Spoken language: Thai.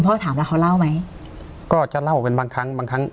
พ่อถามแล้วเขาเล่าไหมก็จะเล่าเป็นบางครั้งบางครั้ง